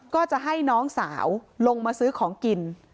ก็จะให้น้องสาวลงมาซื้อของกิน